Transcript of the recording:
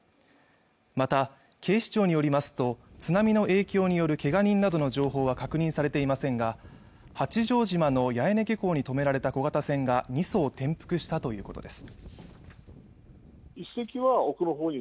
また警視庁によりますと津波の影響によるけが人などの情報は確認されていませんが八丈島の八重根漁港にとめられた小型船が２艘転覆したということです